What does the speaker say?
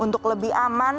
untuk lebih aman